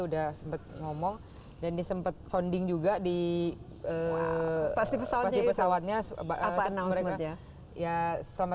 udah sempet ngomong dan disempat sonding juga di pas pesawatnya apa announcementnya ya selamat